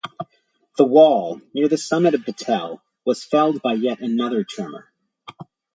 The wall, near the summit of the tell, was felled by yet another tremor.